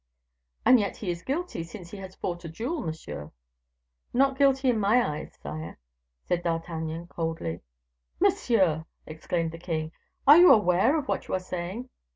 "And yet he is guilty, since he has fought a duel, monsieur." "Not guilty in my eyes, sire," said D'Artagnan, coldly. "Monsieur!" exclaimed the king, "are you aware of what you are saying?"